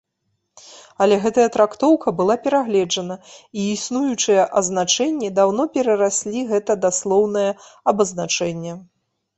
Але гэтая трактоўка была перагледжана і існуючыя азначэнні даўно перараслі гэта даслоўнае абазначэнне.